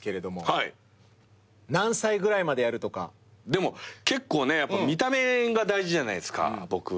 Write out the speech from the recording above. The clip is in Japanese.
でも結構ね見た目が大事じゃないっすか僕は。